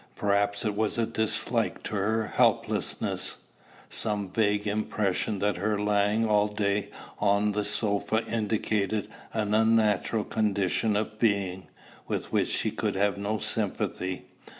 Perhaps it was a dislike to her helplessness, some vague impression that her lying all day on the sofa indicated an unnatural condition of being, with which she could have no sympathy.